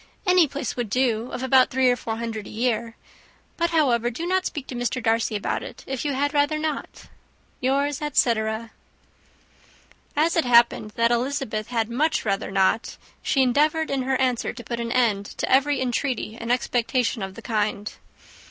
Any place would do of about three or four hundred a year; but, however, do not speak to Mr. Darcy about it, if you had rather not. "Yours," etc. As it happened that Elizabeth had much rather not, she endeavoured in her answer to put an end to every entreaty and expectation of the kind.